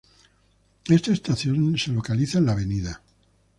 Esta estación se localiza en la "Av.